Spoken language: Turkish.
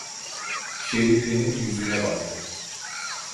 Şerife'nin yüzüne baktı.